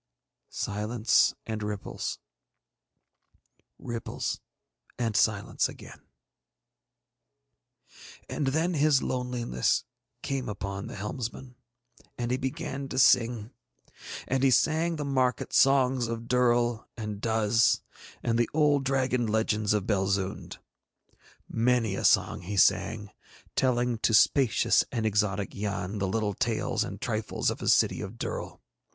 Silence and ripples, ripples and silence again. And then his loneliness came upon the helmsman, and he began to sing. And he sang the market songs of Durl and Duz, and the old dragon legends of Belzoond. Many a song he sang, telling to spacious and exotic Yann the little tales and trifles of his city of Durl.